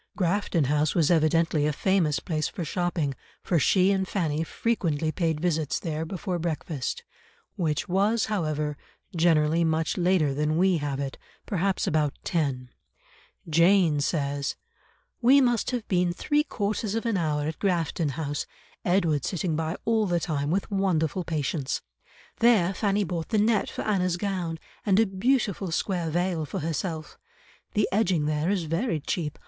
Grafton House was evidently a famous place for shopping, for she and Fanny frequently paid visits there before breakfast, which was, however, generally much later than we have it, perhaps about ten; Jane says, "We must have been three quarters of an hour at Grafton House, Edward sitting by all the time with wonderful patience. There Fanny bought the net for Anna's gown, and a beautiful square veil for herself. The edging there is very cheap.